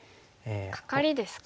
カカリですか。